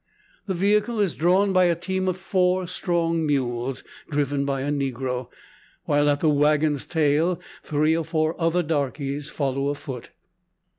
The vehicle is drawn by a team of four strong mules, driven by a negro; while at the wagon's tail, three or four other darkeys follow afoot.